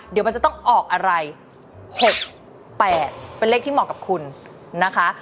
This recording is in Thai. เดี๋ยวมันจะต้องออกอะไร๖๘เป็นเลขที่เหมาะกับคุณนะคะ